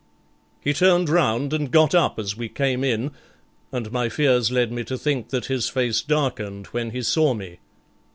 He turned round and got up as we came in, and my fears led me to think that his face darkened when he saw me.